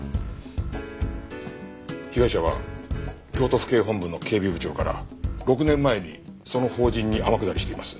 被害者は京都府警本部の警備部長から６年前にその法人に天下りしています。